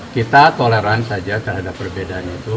kita toleran saja terhadap perbedaan itu